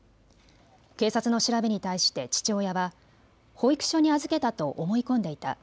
警察の調べに対して父親は保育所に預けたと思い込んでいた。